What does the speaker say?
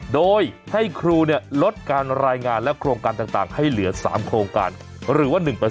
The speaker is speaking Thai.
โดยให้ครูลดการรายงานและโครงการต่างให้เหลือ๓โครงการหรือว่า๑